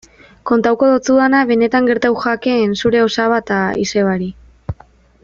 Kontatuko dizudana benetan gertatu zitzaien zure osaba eta izebari.